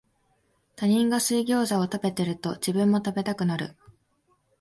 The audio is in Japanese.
他人が水ギョウザを食べてると、自分も食べたくなる